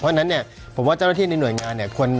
เพราะฉะนั้นเนี่ยผมว่าเจ้าหน้าที่ในหน่วยงานเนี่ย